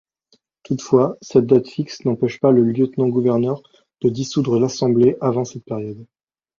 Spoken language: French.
Toutefois, cette date fixe n'empêche pas le lieutenant-gouverneur de dissoudre l'Assemblée avant cette période.